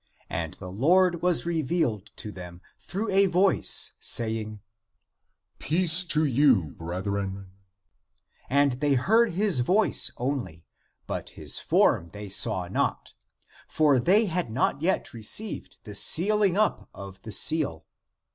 And the Lord was revealed to them, through a voice saying, "Peace to you, brethren!" And they heard his voice only, but his form they saw not. For they had not yet received the sealing up of the seal.